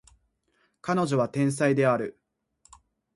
彼女は天才である